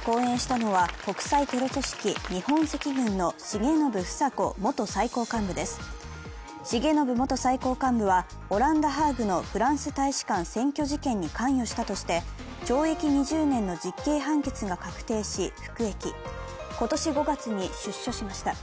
重信元最高幹部はオランダ・ハーグのフランス大使館占拠事件に関与したとして懲役２０年の実刑判決が確定し、服役今年５月に出所しました。